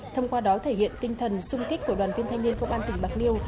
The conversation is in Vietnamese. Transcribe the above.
thông qua đó thể hiện tinh thần xung kích của đoàn thanh niên công an tỉnh bạc liêu